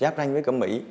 giáp ranh với cẩm mỹ